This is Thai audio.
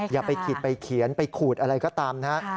อย่าไปขีดไปเขียนไปขูดอะไรก็ตามนะฮะ